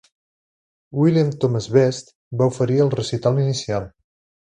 William Thomas Best va oferir el recital inicial.